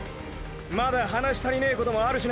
まだ話し足りねぇこともあるしな！